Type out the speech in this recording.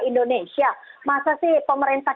indonesia masa sih pemerintah